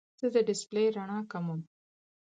زه د ډیسپلې رڼا کموم.